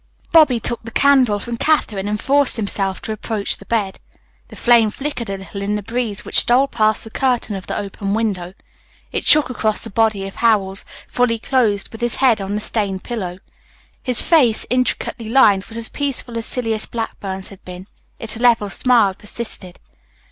Bobby took the candle from Katherine and forced himself to approach the bed. The flame flickered a little in the breeze which stole past the curtain of the open window. It shook across the body of Howells, fully clothed with his head on the stained pillow. His face, intricately lined, was as peaceful as Silas Blackburn's had been. Its level smile persisted.